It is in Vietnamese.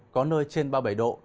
có nơi trên ba mươi bảy độ